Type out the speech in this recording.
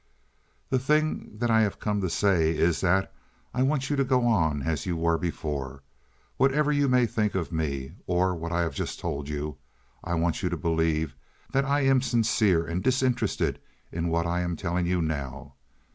"The thing that I have come to say is that I want you to go on as you were before. Whatever you may think of me or of what I have just told you, I want you to believe that I am sincere and disinterested in what I am telling you now.